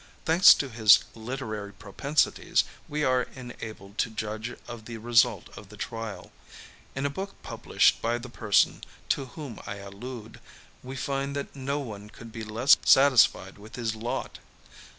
Thanks to his literary propensities, we are enabled to judge of the result of the trial. In a book published by the person to whom I allude, we find that no one could be less satisfied with his lot.